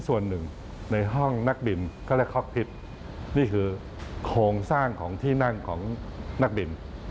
ส่วนหนึ่งในห้องนักบินเขาเรียกคอปพิษนี่คือโครงสร้างของที่นั่งของนักบิน